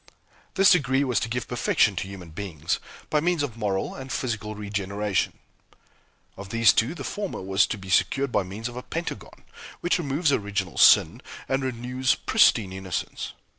This degree was to give perfection to human beings, by means of moral and physical regeneration. Of these two the former was to be secured by means of a Pentagon, which removes original sin and renews pristine innocence.